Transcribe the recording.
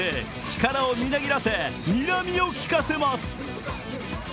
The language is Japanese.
力をみなぎらせにらみをきかせます。